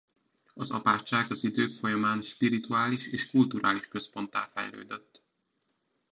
Az apátság az idők folyamán spirituális és kulturális központtá fejlődött.